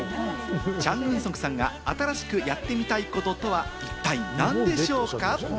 チャン・グンソクさんが新しくやってみたいこととは一体何でしょうか？